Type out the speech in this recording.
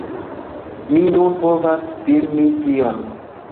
Mi nun povas filmi ĉion!